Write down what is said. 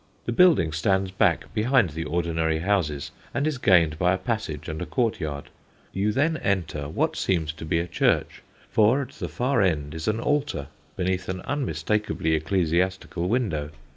The building stands back, behind the ordinary houses, and is gained by a passage and a courtyard. You then enter what seems to be a church, for at the far end is an altar beneath an unmistakably ecclesiastical window.